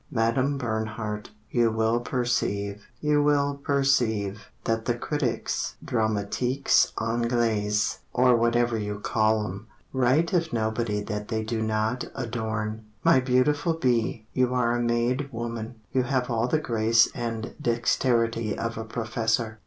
Madame Bernhardt, You will perceive That the critics dramatiques Anglais, Or whatever you call 'em, Write of nobody That they do not adorn; My beautiful B., You are a made woman, You have all the grace and dexterity Of A PROFESSOR.